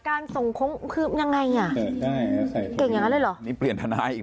การส่งคงคือยังไงเนี่ย